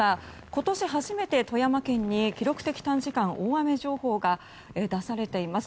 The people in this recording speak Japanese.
今年初めて富山県に記録的短時間大雨情報が出されています。